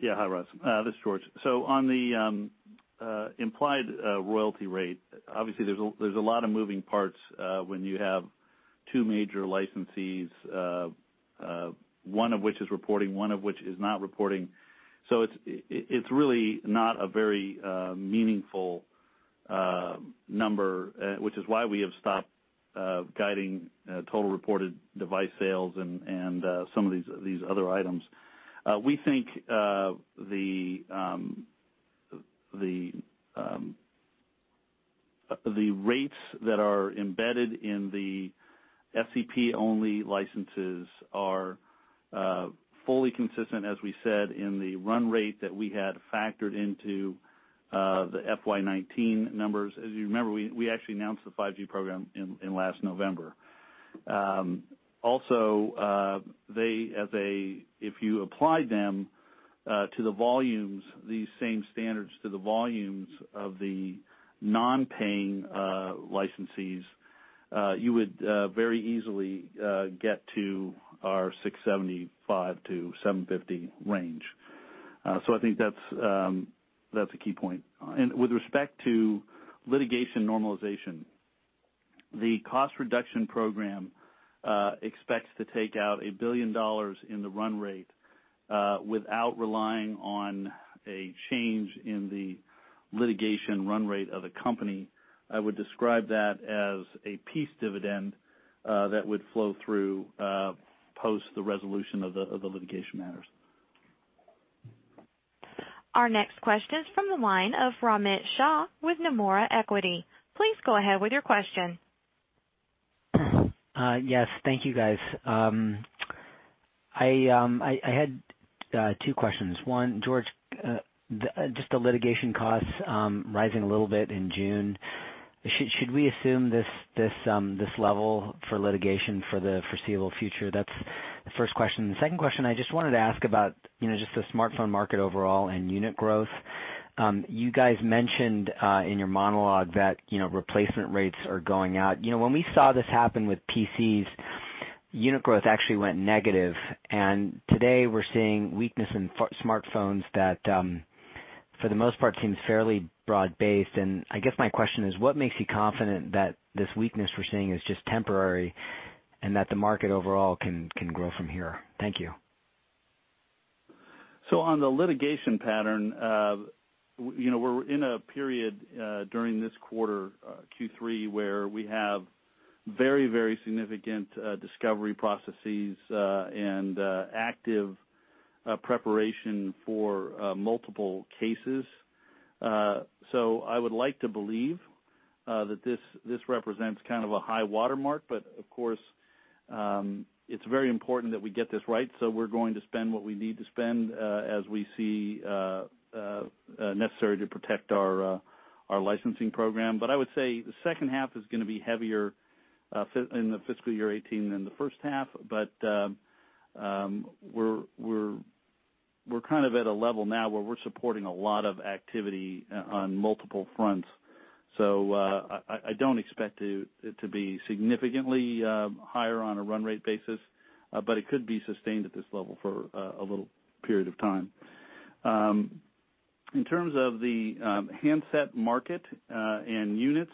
Yeah. Hi, Ross. This is George. On the implied royalty rate, obviously there's a lot of moving parts when you have two major licensees, one of which is reporting, one of which is not reporting. It's really not a very meaningful number, which is why we have stopped guiding total reported device sales and some of these other items. We think the rates that are embedded in the SEP-only licenses are fully consistent, as we said, in the run rate that we had factored into the FY 2019 numbers. As you remember, we actually announced the 5G program in last November. If you applied these same standards to the volumes of the non-paying licensees, you would very easily get to our $675-$750 range. I think that's a key point. With respect to litigation normalization, the cost reduction program expects to take out $1 billion in the run rate without relying on a change in the litigation run rate of the company. I would describe that as a peace dividend that would flow through post the resolution of the litigation matters. Our next question is from the line of Ramit Shah with Nomura Equity. Please go ahead with your question. Yes. Thank you, guys. I had two questions. One, George, just the litigation costs rising a little bit in June. Should we assume this level for litigation for the foreseeable future? That's the first question. The second question, I just wanted to ask about just the smartphone market overall and unit growth. You guys mentioned in your monologue that replacement rates are going out. When we saw this happen with PCs, unit growth actually went negative, and today we're seeing weakness in smartphones that, for the most part, seems fairly broad-based. I guess my question is, what makes you confident that this weakness we're seeing is just temporary and that the market overall can grow from here? Thank you. On the litigation pattern, we're in a period during this quarter, Q3, where we have very significant discovery processes and active preparation for multiple cases. I would like to believe that this represents kind of a high watermark, but of course, it's very important that we get this right. We're going to spend what we need to spend as we see necessary to protect our licensing program. I would say the second half is going to be heavier in the fiscal year 2018 than the first half. We're kind of at a level now where we're supporting a lot of activity on multiple fronts. I don't expect it to be significantly higher on a run rate basis, but it could be sustained at this level for a little period of time. In terms of the handset market and units,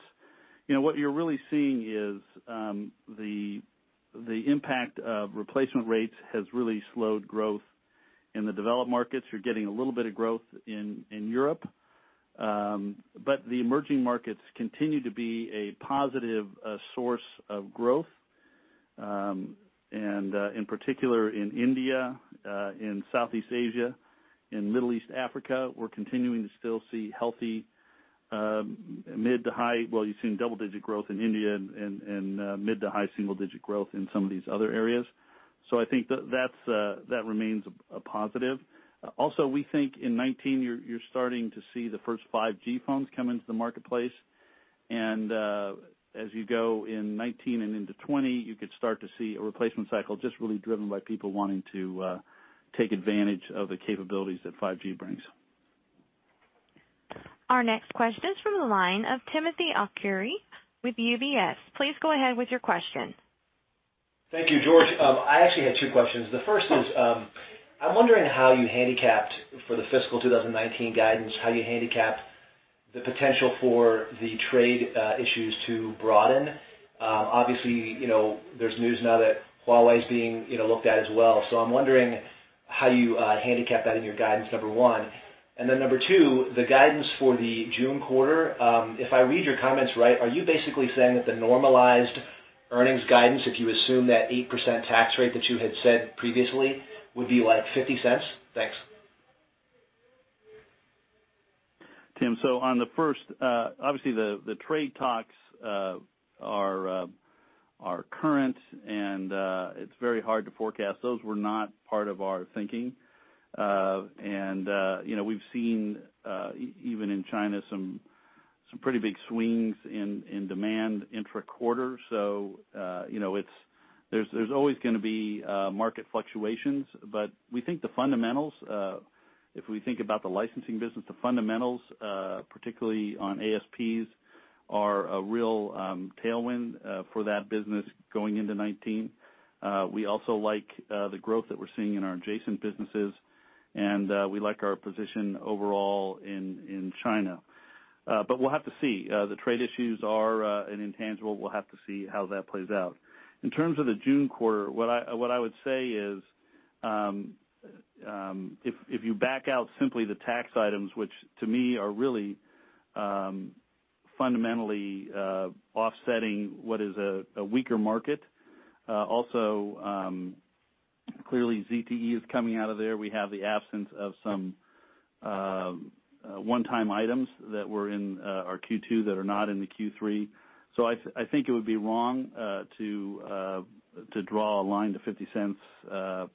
what you're really seeing is the impact of replacement rates has really slowed growth in the developed markets. You're getting a little bit of growth in Europe. The emerging markets continue to be a positive source of growth. In particular, in India, in Southeast Asia, in Middle East Africa, we're continuing to still see, well, you're seeing double-digit growth in India and mid to high single-digit growth in some of these other areas. I think that remains a positive. Also, we think in 2019, you're starting to see the first 5G phones come into the marketplace. As you go in 2019 and into 2020, you could start to see a replacement cycle just really driven by people wanting to take advantage of the capabilities that 5G brings. Our next question is from the line of Timothy Arcuri with UBS. Please go ahead with your question. Thank you, George. I actually had two questions. The first is, I'm wondering how you handicapped for the fiscal 2019 guidance, how you handicapped the potential for the trade issues to broaden. Obviously, there's news now that Huawei's being looked at as well. I'm wondering how you handicap that in your guidance, number one. Number two, the guidance for the June quarter. If I read your comments right, are you basically saying that the normalized earnings guidance, if you assume that 8% tax rate that you had said previously, would be like $0.50? Thanks. Tim, on the first, obviously the trade talks are current, and it's very hard to forecast. Those were not part of our thinking. We've seen, even in China, some pretty big swings in demand intra-quarter. There's always going to be market fluctuations, but we think the fundamentals, if we think about the licensing business, the fundamentals, particularly on ASPs, are a real tailwind for that business going into 2019. We also like the growth that we're seeing in our adjacent businesses, and we like our position overall in China. We'll have to see. The trade issues are an intangible. We'll have to see how that plays out. In terms of the June quarter, what I would say is, if you back out simply the tax items, which to me are really fundamentally offsetting what is a weaker market. Also, clearly ZTE is coming out of there. We have the absence of some one-time items that were in our Q2 that are not in the Q3. I think it would be wrong to draw a line to $0.50,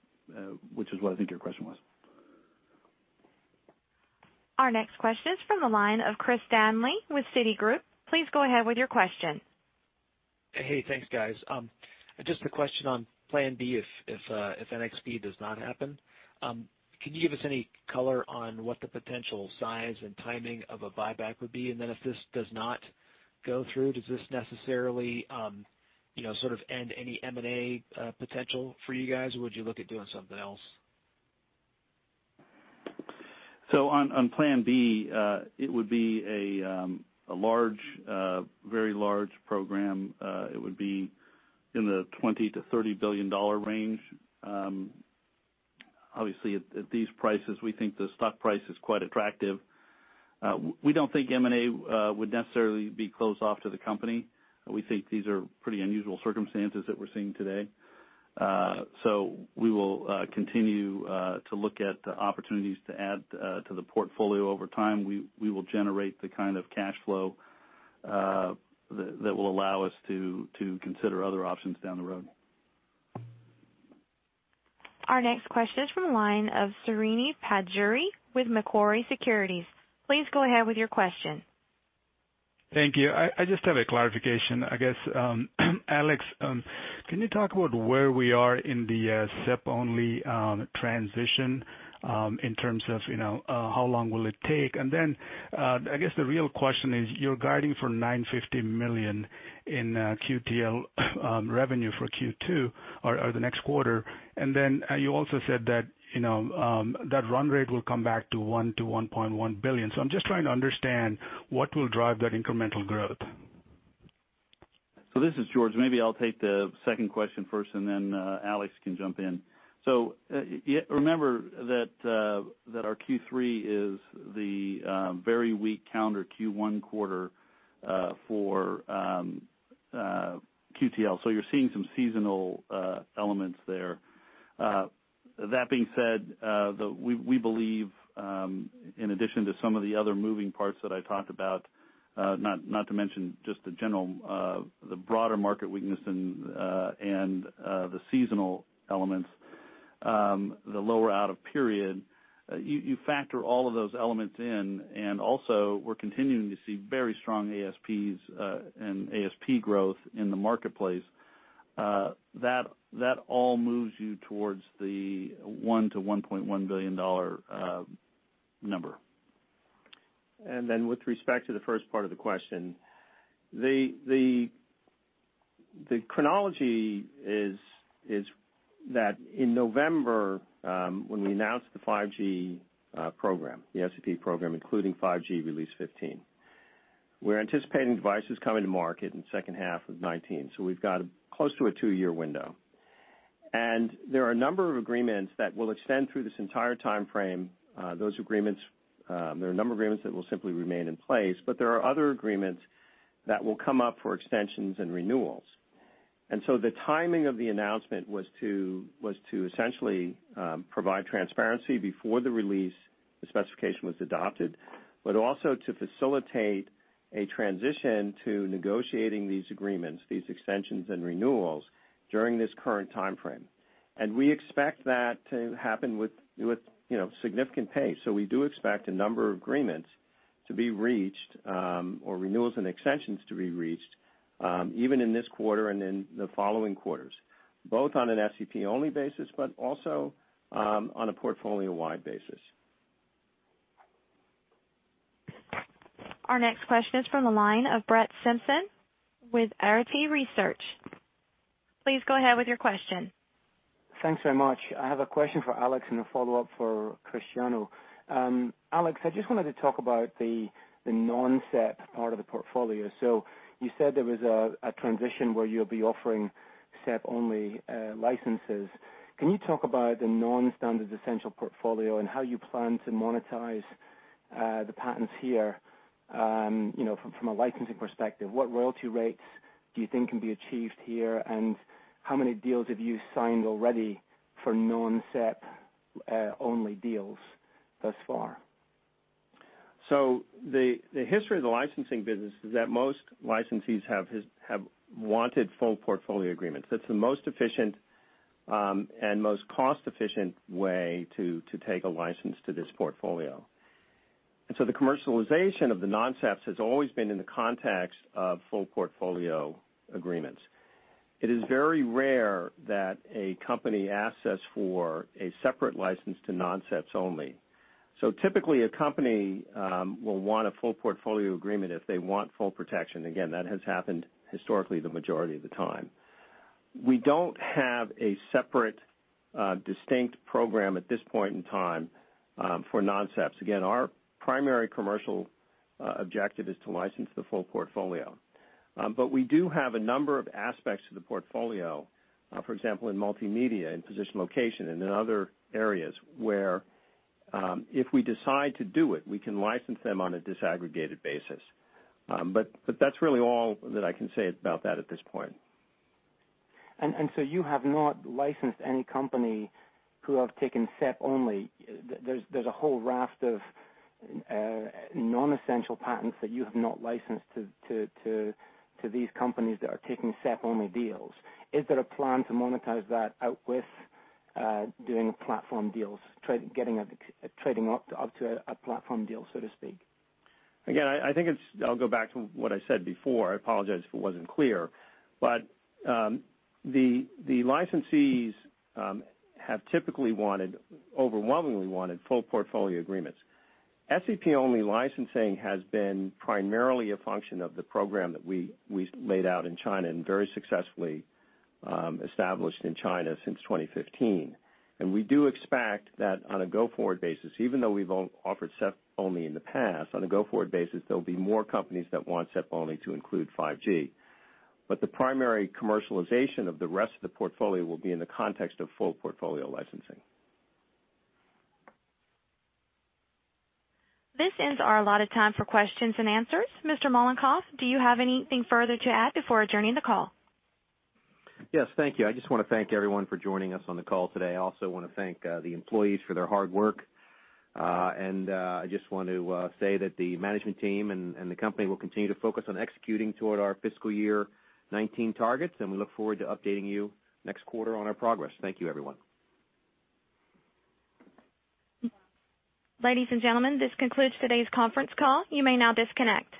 which is what I think your question was. Our next question is from the line of Chris Stanley with Citigroup. Please go ahead with your question. Hey, thanks guys. Just a question on plan B if NXP does not happen. Can you give us any color on what the potential size and timing of a buyback would be? If this does not go through, does this necessarily sort of end any M&A potential for you guys? Would you look at doing something else? On plan B, it would be a very large program. It would be in the $20 billion-$30 billion range. Obviously, at these prices, we think the stock price is quite attractive. We don't think M&A would necessarily be closed off to the company. We think these are pretty unusual circumstances that we're seeing today. We will continue to look at opportunities to add to the portfolio over time. We will generate the kind of cash flow that will allow us to consider other options down the road. Our next question is from the line of Srini Pajjuri with Macquarie Securities. Please go ahead with your question. Thank you. I just have a clarification, I guess. Alex, can you talk about where we are in the SEP-only transition, in terms of how long will it take? I guess the real question is, you're guiding for $950 million in QTL revenue for Q2 or the next quarter. You also said that run rate will come back to $1 billion-$1.1 billion. I'm just trying to understand what will drive that incremental growth. This is George. Maybe I'll take the second question first and then Alex can jump in. Remember that our Q3 is the very weak calendar Q1 quarter for QTL. You're seeing some seasonal elements there. That being said, we believe, in addition to some of the other moving parts that I talked about, not to mention just the general broader market weakness and the seasonal elements, the lower out of period. You factor all of those elements in, we're continuing to see very strong ASPs and ASP growth in the marketplace. That all moves you towards the 1 to $1.1 billion number. With respect to the first part of the question, the chronology is that in November, when we announced the 5G program, the SEP program, including 5G Release 15, we're anticipating devices coming to market in the second half of 2019. We've got close to a 2-year window. There are a number of agreements that will extend through this entire timeframe. There are a number of agreements that will simply remain in place, but there are other agreements that will come up for extensions and renewals. The timing of the announcement was to essentially provide transparency before the release, the specification was adopted, but also to facilitate a transition to negotiating these agreements, these extensions and renewals, during this current timeframe. We expect that to happen with significant pace. We do expect a number of agreements to be reached, or renewals and extensions to be reached, even in this quarter and in the following quarters, both on an SEP-only basis, but also on a portfolio-wide basis. Our next question is from the line of Brett Simpson with Arete Research. Please go ahead with your question. Thanks very much. I have a question for Alex and a follow-up for Cristiano. Alex, I just wanted to talk about the non-SEP part of the portfolio. You said there was a transition where you'll be offering SEP-only licenses. Can you talk about the non-standard essential portfolio and how you plan to monetize the patents here from a licensing perspective? What royalty rates do you think can be achieved here? How many deals have you signed already for non-SEP-only deals thus far? The history of the licensing business is that most licensees have wanted full portfolio agreements. That's the most efficient and most cost-efficient way to take a license to this portfolio. The commercialization of the non-SEPs has always been in the context of full portfolio agreements. It is very rare that a company asks us for a separate license to non-SEPs only. Typically, a company will want a full portfolio agreement if they want full protection. Again, that has happened historically the majority of the time. We don't have a separate, distinct program at this point in time for non-SEPs. Again, our primary commercial objective is to license the full portfolio. We do have a number of aspects to the portfolio, for example, in multimedia and position location and in other areas where, if we decide to do it, we can license them on a disaggregated basis. That's really all that I can say about that at this point. You have not licensed any company who have taken SEP-only. There's a whole raft of non-essential patents that you have not licensed to these companies that are taking SEP-only deals. Is there a plan to monetize that out with doing platform deals, trading up to a platform deal, so to speak? I'll go back to what I said before. I apologize if it wasn't clear, the licensees have typically overwhelmingly wanted full portfolio agreements. SEP-only licensing has been primarily a function of the program that we laid out in China and very successfully established in China since 2015. We do expect that on a go-forward basis, even though we've offered SEP-only in the past, on a go-forward basis, there'll be more companies that want SEP-only to include 5G. The primary commercialization of the rest of the portfolio will be in the context of full portfolio licensing. This ends our allotted time for questions and answers. Mr. Mollenkopf, do you have anything further to add before adjourning the call? Yes. Thank you. I just want to thank everyone for joining us on the call today. I also want to thank the employees for their hard work. I just want to say that the management team and the company will continue to focus on executing toward our fiscal year 2019 targets, and we look forward to updating you next quarter on our progress. Thank you, everyone. Ladies and gentlemen, this concludes today's conference call. You may now disconnect.